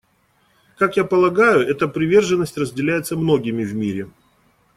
Как я полагаю, эта приверженность разделяется многими в мире.